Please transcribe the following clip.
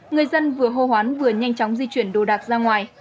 người dân vừa hô hoán vừa nhanh chóng di chuyển đồ đạc ra ngoài